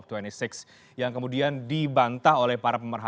yang kemudian dibantah oleh para pemerhatian yang kemudian dibantah oleh para pemerhatian